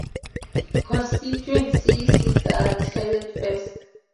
Constituency seats are decided first.